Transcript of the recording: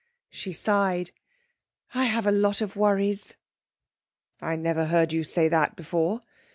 She sighed. 'I have a lot of worries.' 'I never heard you say that before.